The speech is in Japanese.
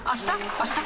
あした？